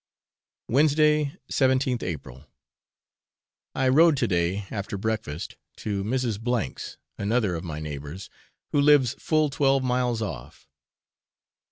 Wednesday, 17th April. I rode to day after breakfast, to Mrs. D 's, another of my neighbours, who lives full twelve miles off.